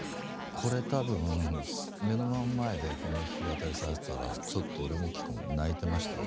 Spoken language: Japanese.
これ多分目の真ん前でこの弾き語りされてたらちょっと俺も希子も泣いてましたね。